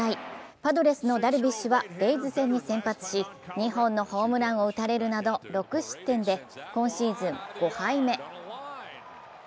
パドレスのダルビッシュはレイズ戦に先発し２本のホームランを打たれるなど６失点で今シーズン５敗目。